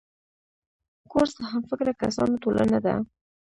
کورس د همفکره کسانو ټولنه ده.